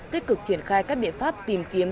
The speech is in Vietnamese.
kết cực triển khai các biện pháp tìm kiếm